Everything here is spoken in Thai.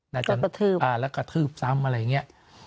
แล้วก็ทืบซ้ำอะไรอย่างเงี้ย